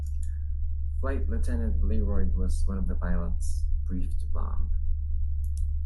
Flight Lieutenant Learoyd was one of the pilots briefed to bomb.